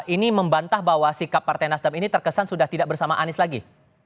ini membantah bahwa sikap partai nasdem ini terkesan sudah tidak bersama anies lagi